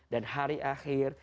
dan hari akhir